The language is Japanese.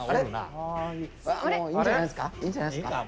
もういいんじゃないんすか。